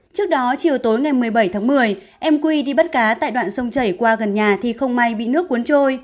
trước đó chiều tối ngày một mươi bảy tháng một mươi em quy đi bắt cá tại đoạn sông chảy qua gần nhà thì không may bị nước cuốn trôi